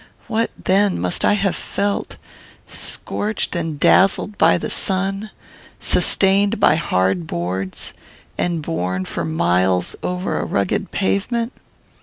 What then must I have felt, scorched and dazzled by the sun, sustained by hard boards, and borne for miles over a rugged pavement?